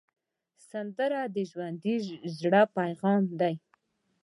سندره د ژوندي زړه پیغام دی